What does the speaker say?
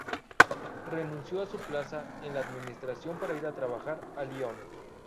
Renunció a su plaza en la administración para ir a trabajar a Lyon.